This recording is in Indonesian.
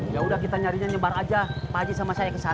ya udah kita nyarinya nyebar aja pak haji sama saya kesana